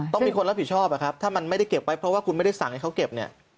ต้องมีคนรับผิดชอบอะครับถ้ามันไม่ได้เก็บไว้เพราะว่าคุณไม่ได้สั่งให้เขาเก็บเนี่ย